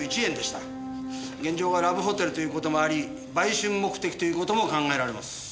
現場がラブホテルという事もあり売春目的という事も考えられます。